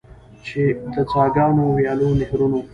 چې د څاګانو، ویالو، نهرونو.